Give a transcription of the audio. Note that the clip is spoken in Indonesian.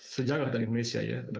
sejarah dengan indonesia ya